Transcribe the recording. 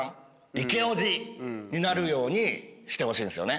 イケおじになるようにしてほしいんですよね。